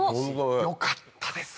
よかったです！